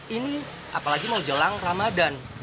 ini apalagi mau jelang ramadan